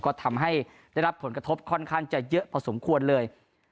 ก็ทำให้ได้รับผลกระทบค่อนข้างจะเยอะพอสมควรเลย